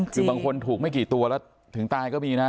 คือบางคนถูกไม่กี่ตัวแล้วถึงตายก็มีนะ